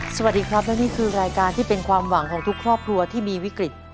สวัสดีครับและนี่คือรายการที่เป็นความหวังของทุกครอบครัวที่มีวิกฤต